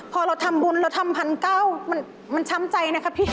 พอเราทำบุญเราทำ๑๙๐๐มันช้ำใจนะคะพี่